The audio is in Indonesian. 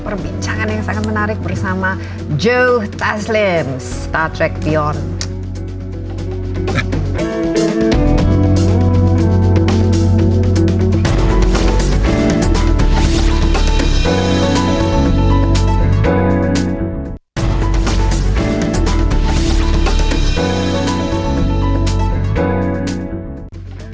perbincangan yang sangat menarik bersama joe taslim star trek beyond